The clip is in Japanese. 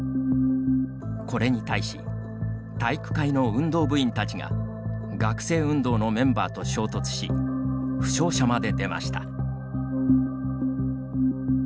これに対し体育会の運動部員たちが学生運動のメンバーと衝突し負傷者まで出ました。